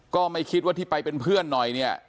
ก็ไม่คิดว่าที่ไปเป็นเพื่อนหน่อยเนี่ย